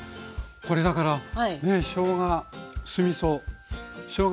これだからしょうが酢みそしょうが